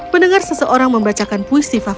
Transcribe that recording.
mendengar seseorang membacakan puisi favori